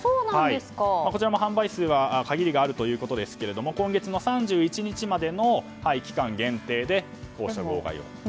こちらも販売数は限りがあるということですが今月の３１日までの期間限定でこうした号外を。